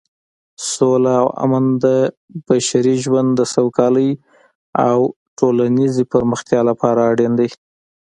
سوله او امن د بشري ژوند د سوکالۍ او ټولنیزې پرمختیا لپاره اړین دي.